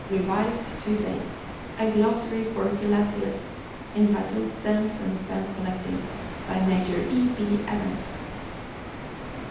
REVISED TO DATE. A GLOSSARY FOR PHILATELISTS, ENTITLED Stamps and Stamp Collecting. BY MAJOR E. B. EVANS.